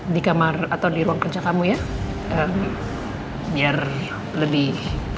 di kamar atau di ruang kerja kamu ya biar lebih